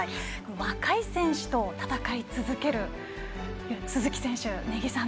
若い選手と戦い続ける鈴木選手、根木さん